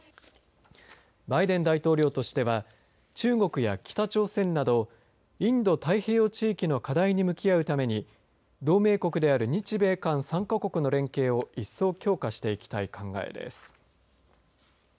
バイデン大統領としては中国や北朝鮮などインド太平洋地域の課題に向き合うために同盟国である日米韓３か国の連携を一層強化していきたい考えです。